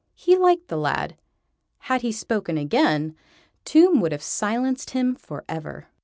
He liked the lad. Had he spoken again, Tomb would have silenced him for ever.